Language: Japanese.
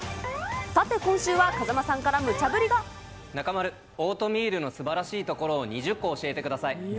さて、今週は、風間さんから中丸、オートミールのすばらしいところを２０個教えてください。